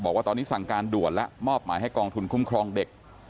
บอกว่าตอนนี้สั่งการด่วนแล้วมอบหมายให้กองทุนคุ้มครองเด็ก